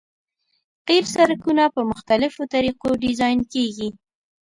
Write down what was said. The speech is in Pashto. قیر سرکونه په مختلفو طریقو ډیزاین کیږي